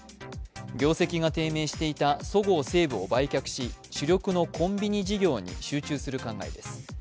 業績が低迷していたそごう・西武を売却し、主力のコンビニ事業に集中する考えです。